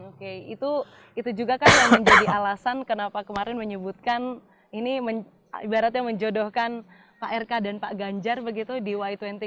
oke itu juga kan yang menjadi alasan kenapa kemarin menyebutkan ini ibaratnya menjodohkan pak rk dan pak ganjar begitu di y dua puluh